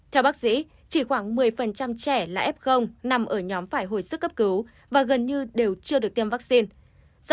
theo bác sĩ chỉ khoảng một mươi trẻ là f nằm ở nhóm phải hồi sức cấp cứu và gần như đều chưa được tiêm vaccine